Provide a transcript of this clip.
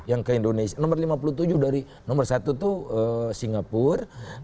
yang ke indonesia nomor lima puluh tujuh dari nomor satu itu singapura